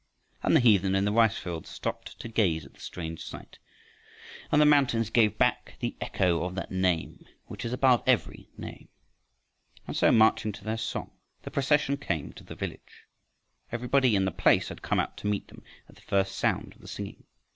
And the heathen in the rice fields stopped to gaze at the strange sight, and the mountains gave back the echo of that Name which is above every name. And so, marching to their song, the procession came to the village. Everybody in the place had come out to meet them at the first sound of the singing.